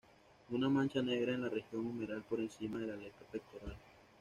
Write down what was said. Una mancha negra en la región humeral por encima de la aleta pectoral.